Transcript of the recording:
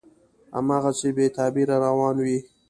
هماغسې بې تغییره روان وي،